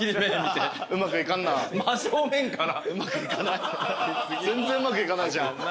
全然うまくいかないじゃん。